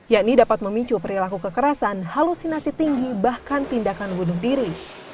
yakni dapat memicu perilaku kekerasan halusinasi tinggi bahkan tindakan bunuh diri